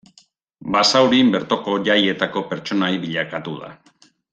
Basaurin bertoko jaietako pertsonai bilakatu da.